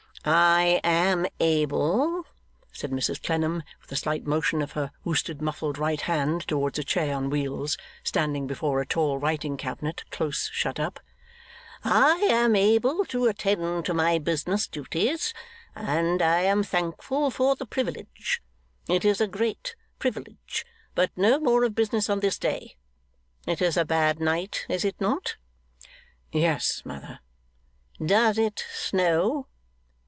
'I am able,' said Mrs Clennam, with a slight motion of her worsted muffled right hand toward a chair on wheels, standing before a tall writing cabinet close shut up, 'I am able to attend to my business duties, and I am thankful for the privilege. It is a great privilege. But no more of business on this day. It is a bad night, is it not?' 'Yes, mother.' 'Does it snow?